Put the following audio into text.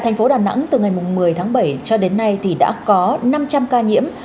thành phố đà nẵng từ ngày một mươi tháng bảy cho đến nay thì đã có năm trăm linh ca nhiễm